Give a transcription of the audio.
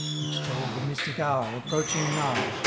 137 Which told the mystic hour, approaching nigh.